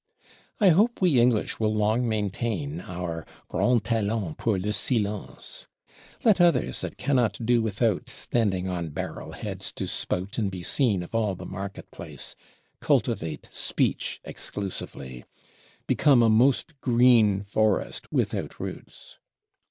I hope we English will long maintain our grand talent pour le silence. Let others that cannot do without standing on barrel heads, to spout, and be seen of all the market place, cultivate speech exclusively, become a most green forest without roots!